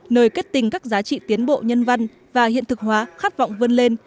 nơi kết tình các giá trị tiến bộ nhân văn và hiện thực hóa khát vọng vươn lên